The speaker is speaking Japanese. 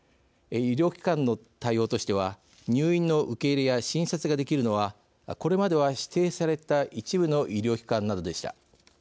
医療機関の対応としては入院の受け入れや診察ができるのはこれまでは指定された一部の医療機関などでした。